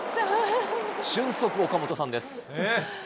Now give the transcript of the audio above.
俊足岡本さんです。